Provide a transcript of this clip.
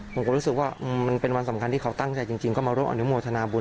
ผมก็รู้สึกว่ามันเป็นวันสำคัญที่เขาตั้งใจจริงก็มาร่วมอนุโมทนาบุญ